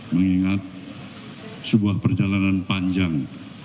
mengingat sebuah perjalanan panjang